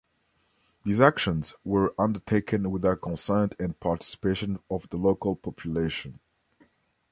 These actions were undertaken without consent and participation of the local population.